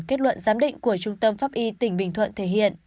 kết luận giám định của trung tâm pháp y tỉnh bình thuận thể hiện